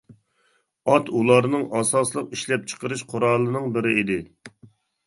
ئات ئۇلارنىڭ ئاساسلىق ئىشلەپچىقىرىش قورالىنىڭ بىرى ئىدى.